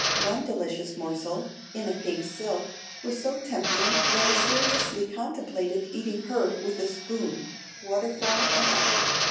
One delicious morsel, in a pink silk, was so tempting that I seriously contemplated eating her with a spoon waterfall and all.